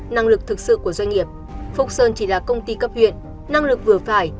năng lực thực sự của doanh nghiệp phúc sơn chỉ là công ty cấp huyện năng lực vừa phải